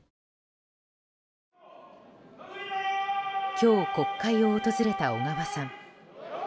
今日、国会を訪れた小川さん。